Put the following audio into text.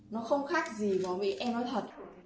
nó không khác gì bọn em nói thật